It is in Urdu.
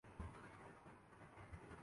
جو بھی کام کرو یکسوئی سے کرو